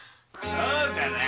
そうかな。